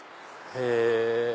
へぇ。